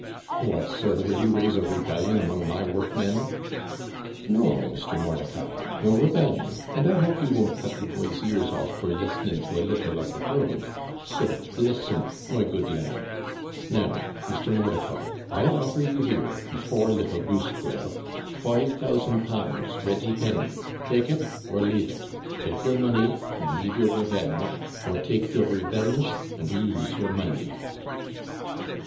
'What, sir, will you raise a rebellion among my workmen?' 'No, Mr. Mordicai, no rebellion; and I hope you won't cut the boy's ears off for listening to a little of the brogue So listen, my good lad. Now, Mr. Mordicai, I offer you here, before little goose quill, L5000 ready penny take it, or leave it; take your money, and leave your revenge; or, take your revenge, and lose your money.'